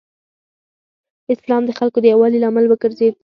اسلام د خلکو د یووالي لامل وګرځېد.